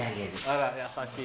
あら優しい。